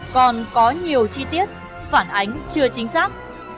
còn có nhiều chi tiết phản ánh chưa chính xác